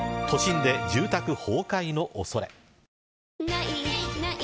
「ない！ない！